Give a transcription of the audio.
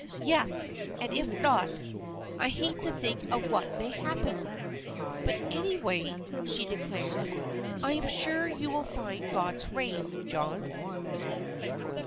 "Yes, and if not, I hate to think of what may happen." "But anyway," she declared, "I'm sure you will find God's rain, John."